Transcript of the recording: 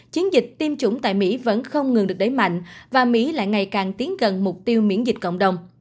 chiến dịch tiêm chủng tại mỹ vẫn không ngừng được đẩy mạnh và mỹ lại ngày càng tiến gần mục tiêu miễn dịch cộng đồng